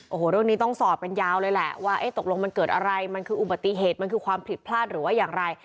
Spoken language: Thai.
โอ้โหเรื่องนี้ต้องสอบกันยาวเลยแหละว่าตกลงมันเกิดอะไรมันคืออุบัติเหตุมันคือความผิดพลาดหรือว่าอย่างไร